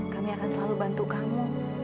kami akan selalu bantu kamu